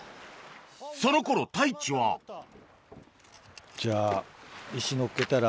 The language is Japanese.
その頃太一はじゃあ。